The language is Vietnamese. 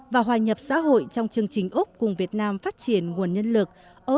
và hòa nhập xã hội trong chương trình úc cùng việt nam phát triển nguồn nhân lực